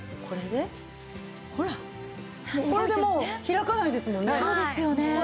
これでもう開かないですもんね。